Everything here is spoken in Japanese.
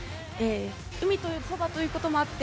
海のそばということもあって